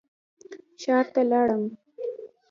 ښار ته لاړم.